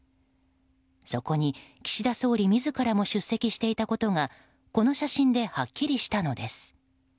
そこに、岸田総理自らも出席していたことがこの写真ではっきりしたのです。